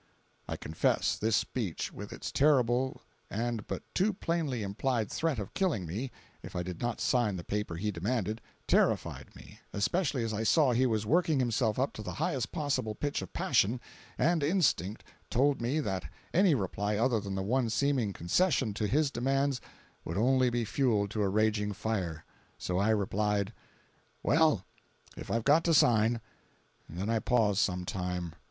I confess this speech, with its terrible and but too plainly implied threat of killing me if I did not sign the paper he demanded, terrified me, especially as I saw he was working himself up to the highest possible pitch of passion, and instinct told me that any reply other than one of seeming concession to his demands would only be fuel to a raging fire, so I replied: "Well, if I've got to sign—," and then I paused some time.